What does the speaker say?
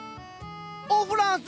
おフランス！